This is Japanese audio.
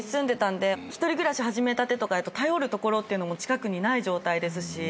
一人暮らし始めたてとかやと頼るところっていうのも近くにない状態ですし。